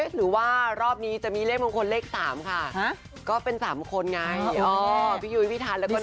หรือว่ารอบนี้จะมีเลขมงคลเลข๓ค่ะก็เป็น๓คนไงพี่ยุ้ยพี่ทันแล้วก็น้อง